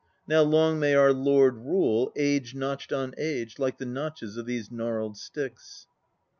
Now long may our Lord rule Age notched on age, like the notches Of these gnarled sticks!